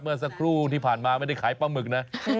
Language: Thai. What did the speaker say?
เมื่อสักครู่ที่ผ่านมาไม่ได้ขายปลาหมึกนะ